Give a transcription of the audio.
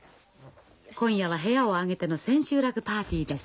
今夜は部屋を挙げての千秋楽パーティーです。